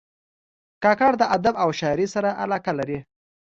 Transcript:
کاکړ د ادب او شاعرۍ سره علاقه لري.